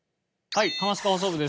はい。